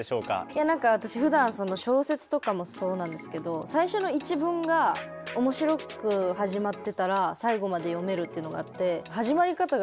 いやなんか私ふだん小説とかもそうなんですけど最初の一文が面白く始まってたら最後まで読めるっていうのがあって。